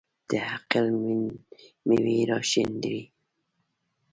د عقل مېوې راشنېدې.